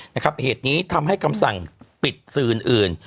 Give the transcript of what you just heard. นะครับเหตุนี้ทำให้คำสั่งปิดสื่ออื่น